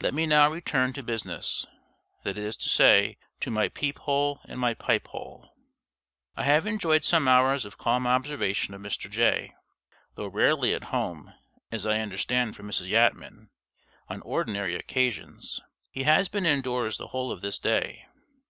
Let me now return to business that is to say, to my peep hole and my pipe hole. I have enjoyed some hours of calm observation of Mr. Jay. Though rarely at home, as I understand from Mrs. Yatman, on ordinary occasions, he has been indoors the whole of this day.